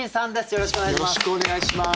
よろしくお願いします。